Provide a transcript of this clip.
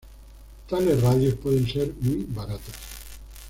Tales radios pueden ser muy baratos.